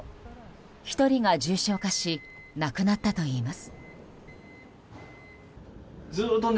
１人が重症化し亡くなったといいます。